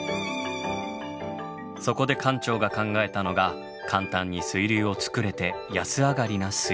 そこで館長が考えたのが簡単に水流を作れて安上がりな水槽。